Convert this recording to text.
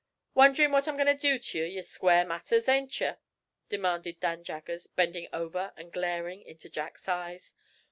"Wondering what I'm going to do t'ye, to square matters, ain't ye?" demanded Dan Jaggers, bending over and glaring into Jack's eyes.